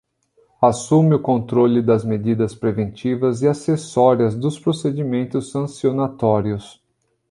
Assume o controle das medidas preventivas e acessórias dos procedimentos sancionatórios.